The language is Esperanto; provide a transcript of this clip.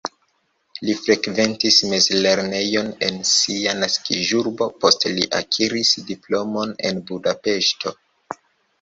Li frekventis mezlernejon en sia naskiĝurbo, poste li akiris diplomon en Budapeŝto.